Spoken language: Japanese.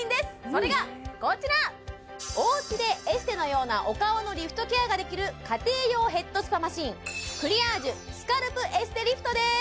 それがこちらおうちでエステのようなお顔のリフトケアができる家庭用ヘッドスパマシンクリアージュスカルプエステリフトです